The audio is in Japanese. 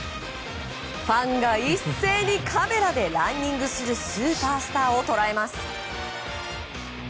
ファンが一斉にカメラでランニングするスーパースターを捉えます。